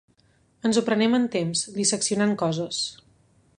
Ens ho prenem en temps, disseccionant coses.